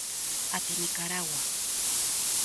Até Nicaragua.